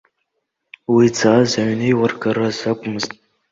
Уи дзааиз аҩнеилыргараз акәмызт.